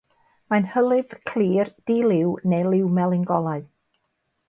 Mae'n hylif clir, di-liw neu liw melyn golau.